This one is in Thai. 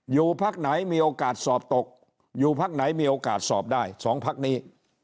พักไหนมีโอกาสสอบตกอยู่พักไหนมีโอกาสสอบได้๒พักนี้